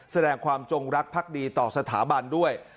แสดงความจงรักภักดีต่อสถาบันด้วย